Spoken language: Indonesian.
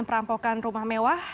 perampokan rumah mewah